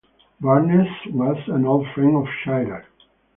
Barnes was an old friend of Shirer.